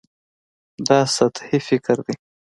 دا سطحي فکر دی.